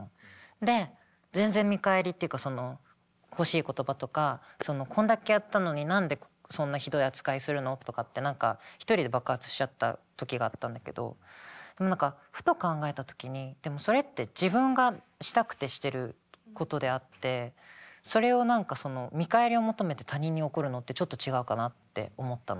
で全然見返りっていうかその欲しい言葉とかそのこんだけやったのに何でそんなひどい扱いするのとかって何か一人で爆発しちゃった時があったんだけどでも何かふと考えた時にでもそれって自分がしたくてしてることであってそれを何か見返りを求めて他人に怒るのってちょっと違うかなって思ったの。